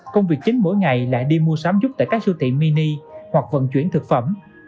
công việc chính mỗi ngày lại đi mua sắm giúp tại các siêu thị mini hoặc vận chuyển thực phẩm